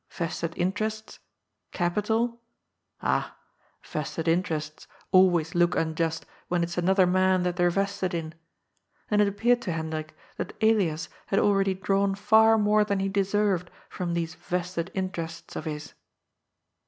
Vested interests? Capital? Ah, vested interests always look unjust when it's another man that they're Tested in. And it appeared to Hendrik, that Elias had already drawn far more than he desenred from these Tested interests of his.